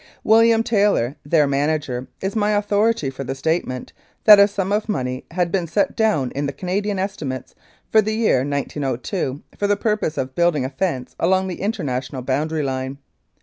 William Taylor, their manager, is my authority for the statement that a sum of money had been set down in the Canadian estimates for the year 1902 for the purpose of building a fence along the international boundary line.